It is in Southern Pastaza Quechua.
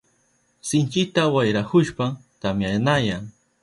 Sinchita wayrahushpan tamyanayan.